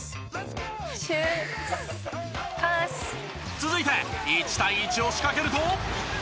続いて１対１を仕掛けると。